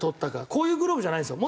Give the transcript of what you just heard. こういうグローブじゃないんですよ。